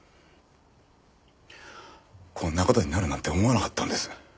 こんな事になるなんて思わなかったんです。